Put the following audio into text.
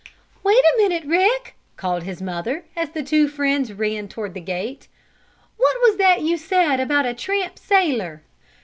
"Wait a minute, Rick!" called his mother, as the two friends ran toward the gate. "What was that you said about a tramp sailor?"